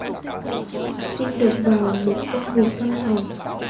Xin được vào một công việc văn phòng